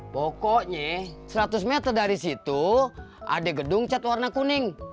pokoknya seratus meter dari situ ada gedung cat warna kuning